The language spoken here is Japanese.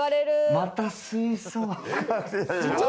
また水槽。